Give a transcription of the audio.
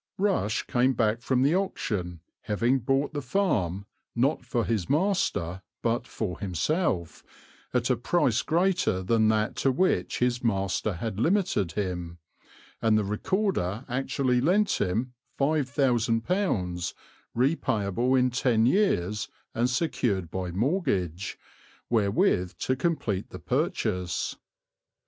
Rush came back from the auction, having bought the farm, not for his master, but for himself, at a price greater than that to which his master had limited him; and the Recorder actually lent him £5000, repayable in ten years and secured by mortgage, wherewith to complete the purchase.